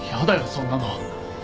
そんなの。